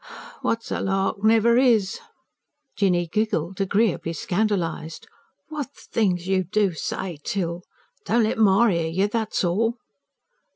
"What's a lark never is." Jinny giggled, agreeably scandalized: "What things you do say, Till! Don't let ma 'ear you, that's all."